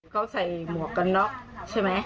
เขาใส่หมวกกันน็อกใช่ไหม